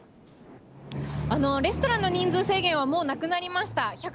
レストランの人数制限はもうなくなりました。